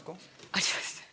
あります